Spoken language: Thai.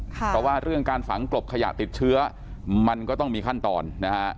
เพราะว่าเรื่องการฝังกลบขยะติดเชื้อมันก็ต้องมีขั้นตอนนะฮะ